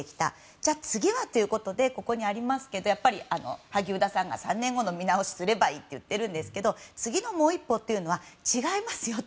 じゃあ、次はということでここにありますけどやっぱり萩生田さんが３年後の見直しすればいいと言っているんですけど次のもう１個というのは違いますよと。